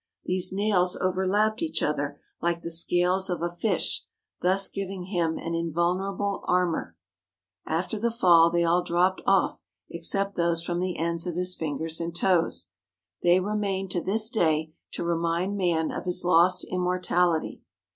These nails overlapped each other like the scales of a fish, thus giving him an invulnerable armour, After the fall they all dropped off except those from the ends of his fingers and toes. They remain to this day to remind man of his lost immortality.